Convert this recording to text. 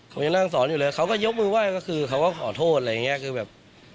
เขายังนั่งสอนอยู่เลยเขาก็ยกมือไหว้ก็คือเขาก็ขอโทษอะไรอย่างเงี้ยคือแบบ